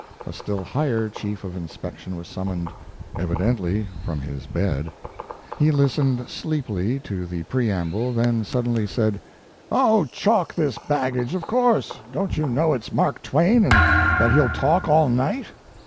A still higher chief of inspection was summoned, evidently from his bed. He listened sleepily to the preamble, then suddenly said: "Oh, chalk his baggage, of course! Don't you know it's Mark Twain and that he'll talk all night?"